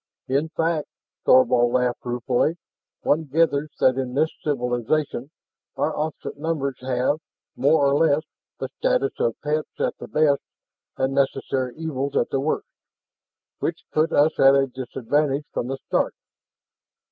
In fact," Thorvald laughed ruefully, "one gathers that in this civilization our opposite numbers have, more or less, the status of pets at the best, and necessary evils at the worst. Which put us at a disadvantage from the start."